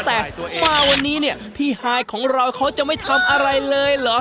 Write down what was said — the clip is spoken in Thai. แต่มาวันนี้เนี่ยพี่ฮายของเราเขาจะไม่ทำอะไรเลยเหรอ